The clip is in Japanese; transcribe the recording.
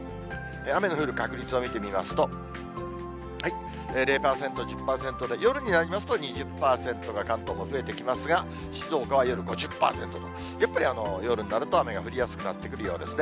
雨の降る確率を見てみますと、０％、１０％で、夜になりますと２０％が関東も増えてきますが、静岡は夜５０％と、やっぱり夜になると雨が降りやすくなってくるようですね。